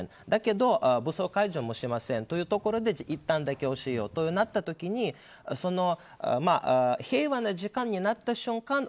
だけど、武装解除もしませんというところでいったん、妥協しようとなったときに平和な時間になった瞬間